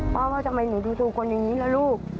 พ่อว่าทำไมถึงดูตูดคนอย่างนี้แล้วลูก